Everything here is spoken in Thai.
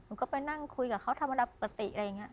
หนูก็ไปนั่งคุยกับเขาธรรมดาปฏิ